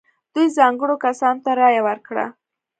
دوی ځانګړو کسانو ته رایه ورکړه.